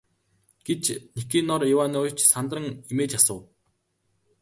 гэж Никанор Иванович сандран эмээж асуув.